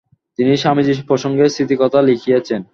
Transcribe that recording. তিনি স্বামীজীর প্রসঙ্গে স্মৃতিকথা লিখিয়াছেন।